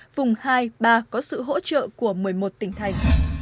vùng hai ba có sự hỗ trợ của một mươi một tỉnh thành